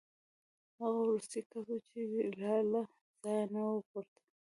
هغه وروستی کس و چې لا له ځایه نه و پورته